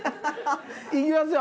いきますよ。